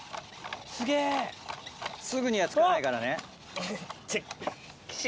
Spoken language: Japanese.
すぐには付かないからね。